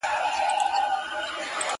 موزي په بد راضي.